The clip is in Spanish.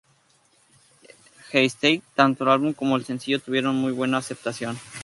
The Stage, tanto el álbum como el sencillo tuvieron muy buena aceptación.